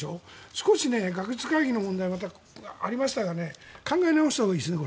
少し学術会議の問題ありましたが考え直したほうがいいですね。